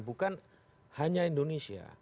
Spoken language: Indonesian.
bukan hanya indonesia